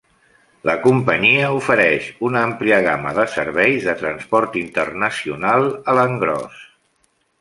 La companyia ofereix una àmplia gamma de serveis de transport internacional a l'engròs.